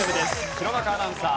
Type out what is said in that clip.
弘中アナウンサー。